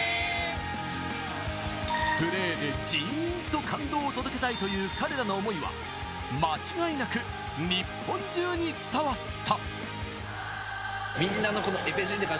プレーでジーーンと感動を届けたいという彼らの思いは、間違いなく日本中に伝わった。